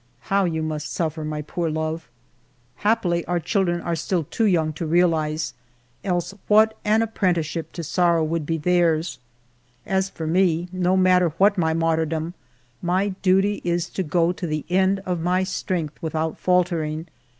How you must suffer, my poor love ! Happily, our children are still too young to realize, else what an apprenticeship to sor row would be theirs ! As for me, no matter what my martyrdom, my duty is to go to the end of my strength without faltering.